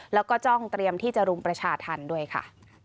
แล้วก็จ้องเตรียมที่จะรุมประชาธรรมด้วยค่ะ